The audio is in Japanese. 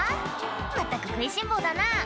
まったく食いしん坊だな